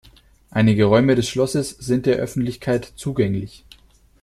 Einige Räume des Schlosses sind der Öffentlichkeit zugänglich.